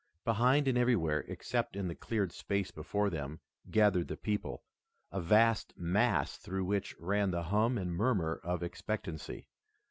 Behind and everywhere except in the cleared space before them gathered the people, a vast mass through which ran the hum and murmur of expectancy.